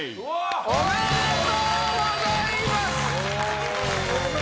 おめでとうございます。